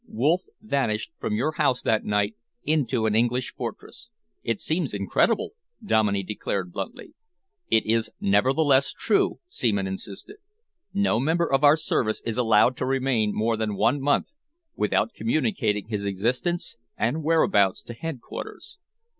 Wolff vanished from your house that night into an English fortress." "It seems incredible," Dominey declared bluntly. "It is nevertheless true," Seaman insisted. "No member of our service is allowed to remain more than one month without communicating his existence and whereabouts to headquarters.